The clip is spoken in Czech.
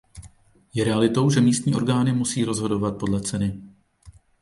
Je realitou, že se místní orgány musí rozhodovat podle ceny.